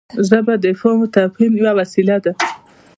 ژبه د افهام او تفهیم یوه وسیله ده.